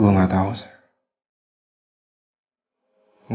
gue harus bahagia atau sedih